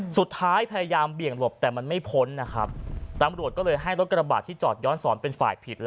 สุดท้ายพยายามเบี่ยงหลบแต่มันไม่พ้นนะครับตำรวจก็เลยให้รถกระบาดที่จอดย้อนสอนเป็นฝ่ายผิด